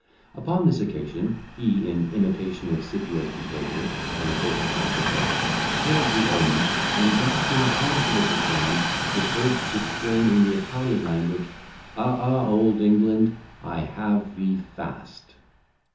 Upon this occasion, he, in imitation of Scipio's behaviour on the coast of Africa, hailed the omen, and, grasping a handful of the sand, was heard to exclaim, in the Italian language: "Ah, ah, Old England, I have thee fast."